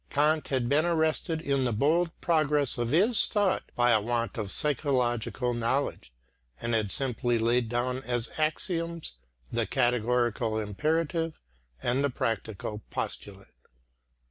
Kant had been arrested in the bold progress of his thought by a want of psychological knowledge, and had simply laid down as axioms the categorical imperative and the practical postulate.